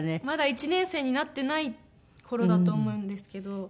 まだ１年生になっていない頃だと思うんですけど。